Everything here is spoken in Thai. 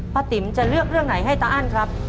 ติ๋มจะเลือกเรื่องไหนให้ตาอั้นครับ